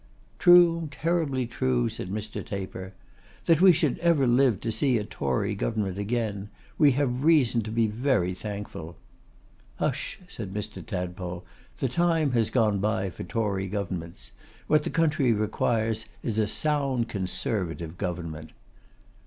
'True, terribly true,' said Mr. Taper. 'That we should ever live to see a Tory government again! We have reason to be very thankful.' 'Hush!' said Mr. Tadpole. 'The time has gone by for Tory governments; what the country requires is a sound Conservative government.